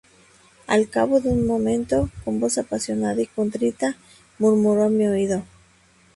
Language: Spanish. al cabo de un momento, con voz apasionada y contrita, murmuró a mi oído: